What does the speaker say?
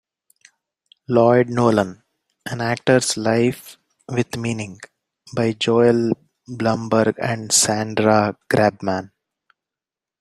"Lloyd Nolan: An Actor's Life With Meaning," by Joel Blumberg and Sandra Grabman.